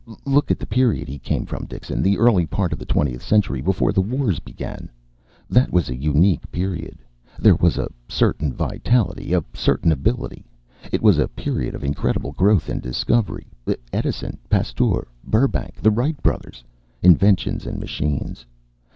Look at the period he came from, Dixon. The early part of the twentieth century. Before the wars began. That was a unique period. There was a certain vitality, a certain ability. It was a period of incredible growth and discovery. Edison. Pasteur. Burbank. The Wright brothers. Inventions and machines.